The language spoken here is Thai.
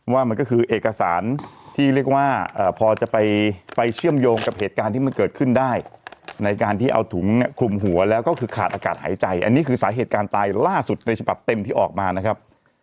ว่ามันก็คือเอกสารที่เรียกว่าพอจะไปเชื่อมโยงกับเหตุการณ์ที่มันเกิดขึ้นได้ในการที่เอาถุงคลุมหัวแล้วก็คือขาดอากาศหายใจอันนี้คือสาเหตุการณ์ตายล่าสุดในฉบับเต็มที่ออกมานะครับ